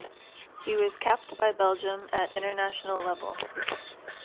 He was capped by Belgium at international level.